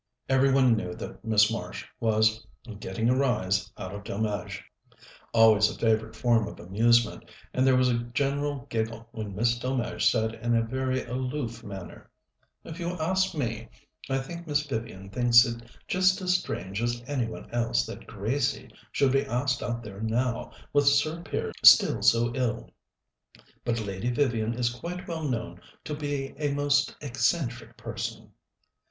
Every one knew that Miss Marsh was "getting a rise out of Delmege," always a favourite form of amusement, and there was a general giggle when Miss Delmege said in a very aloof manner: "If you ask me, I think Miss Vivian thinks it just as strange as any one else that Gracie should be asked out there now, with Sir Piers still so ill. But Lady Vivian is quite well known to be a most eccentric person."